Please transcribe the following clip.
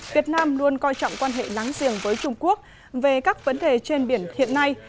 việt nam luôn coi trọng quan hệ láng giềng với trung quốc về các vấn đề trên biển hiện nay